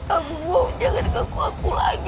aku mohon jangan ganggu aku lagi